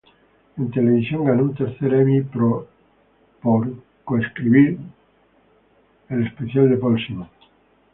En televisión, ganó un tercer Emmy por co-escribir "The Paul Simon Special".